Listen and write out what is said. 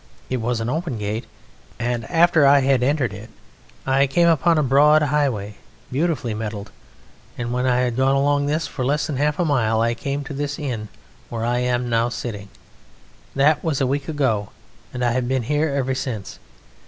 It was an open gate, and after I had entered it I came upon a broad highway, beautifully metalled, and when I had gone along this for less than half a mile I came to this inn where I am now sitting. That was a week ago, and I have been here ever since.